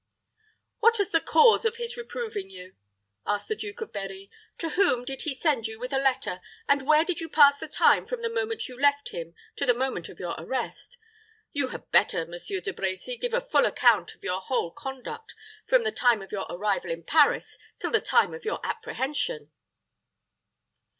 "What was the cause of his reproving you?" asked the Duke of Berri; "to whom did he send you with a letter, and where did you pass the time from the moment you left him to the moment of your arrest? You had better, Monsieur De Brecy, give a full account of your whole conduct from the time of your arrival in Paris till the time of your apprehension."